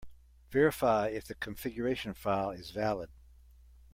Verify if the configuration file is valid.